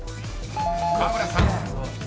［河村さん］